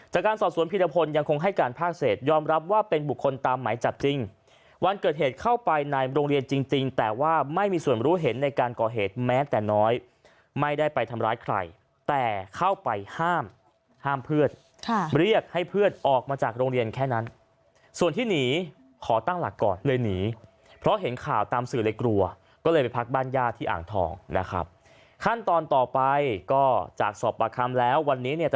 จากการสอดสวนผิดผลยังคงให้การภาคเศษยอมรับว่าเป็นบุคคลตามไหมจับจริงวันเกิดเหตุเข้าไปในโรงเรียนจริงแต่ว่าไม่มีส่วนรู้เห็นในการก่อเหตุแม้แต่น้อยไม่ได้ไปทำร้ายใครแต่เข้าไปห้ามห้ามเพื่อนเรียกให้เพื่อนออกมาจากโรงเรียนแค่นั้นส่วนที่หนีขอตั้งหลักก่อนเลยหนีเพราะเห็นข่าวตามสื่อเลยกลัว